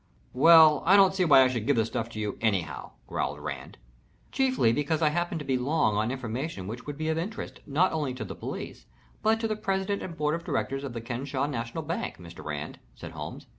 "Well, I don't see why I should give the stuff to you anyhow," growled Rand. "Chiefly because I happen to be long on information which would be of interest, not only to the police, but to the president and board of directors of the Kenesaw National Back, Mr. Rand," said Holmes.